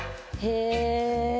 へえ。